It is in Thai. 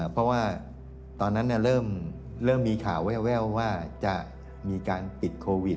เพราะว่าตอนนั้นเริ่มมีข่าวแววว่าจะมีการติดโควิด